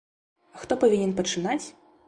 А хто павінен пачынаць?